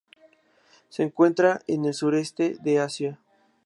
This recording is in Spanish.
Se encuentra en el sureste de Asia.